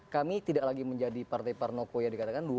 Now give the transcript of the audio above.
kami tidak lagi menjadi partai parnokoya dikatakan